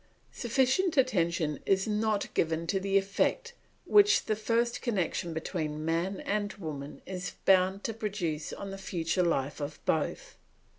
Sufficient attention is not given to the effect which the first connection between man and woman is bound to produce on the future life of both.